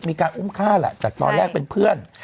มีการอุ้มค่าแต่ตอนแรกเป็นเพื่อน